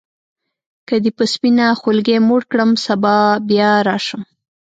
که دي په سپینه خولګۍ موړ کړم سبا بیا راشم.